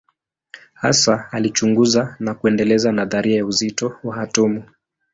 Hasa alichunguza na kuendeleza nadharia ya uzito wa atomu.